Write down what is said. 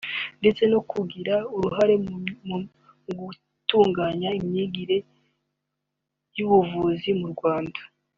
ndetse no kugira uruhare mu gutunganya imyigire y’ubuvuzi mu Rwanda